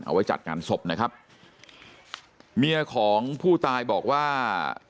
ไว้จัดงานศพนะครับเมียของผู้ตายบอกว่า